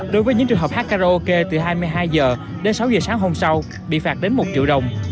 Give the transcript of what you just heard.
đối với những trường hợp hát karaoke từ hai mươi hai h đến sáu h sáng hôm sau bị phạt đến một triệu đồng